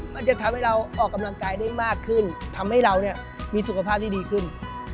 มันจะทำให้เราออกกำลังกายได้มากขึ้นทำให้เราเนี่ยมีสุขภาพที่ดีขึ้น